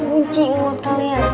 kunci buat kalian